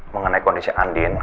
mengenai kondisi andin